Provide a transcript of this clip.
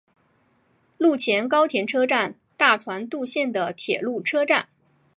陆前高田车站大船渡线的铁路车站。